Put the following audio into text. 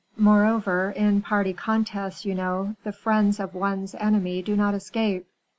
"Moreover, in party contests, you know, the friends of one's enemy do not escape."